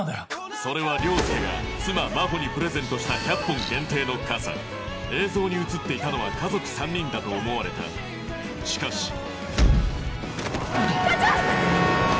それは凌介が妻真帆にプレゼントした１００本限定の傘映像に映っていたのは家族３人だと思われたしかし課長！